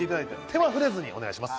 手は触れずにお願いします。